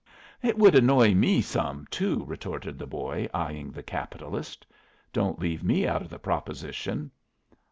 "It would annoy me some, too," retorted the boy, eyeing the capitalist. "Don't leave me out of the proposition."